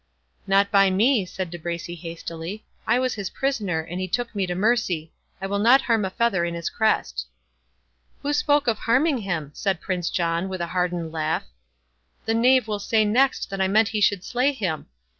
"Not by me," said De Bracy, hastily; "I was his prisoner, and he took me to mercy. I will not harm a feather in his crest." "Who spoke of harming him?" said Prince John, with a hardened laugh; "the knave will say next that I meant he should slay him!